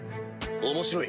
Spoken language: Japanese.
面白い。